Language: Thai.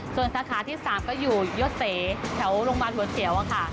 ส่วนสาขาที่๓ก็อยู่ยศเสแถวโรงพยาบาลหัวเสียวค่ะ